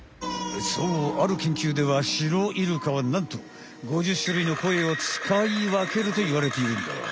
そうあるけんきゅうではシロイルカはなんと５０種類の声をつかいわけるといわれているんだわ。